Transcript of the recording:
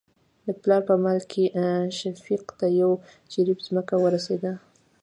د پلار په مال کې شفيق ته يو جرېب ځمکه ورسېده.